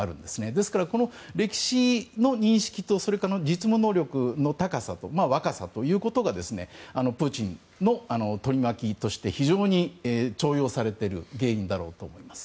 ですから、歴史の認識と実務能力の高さと若さということがプーチンの取り巻きとして非常に重用されている原因だと思います。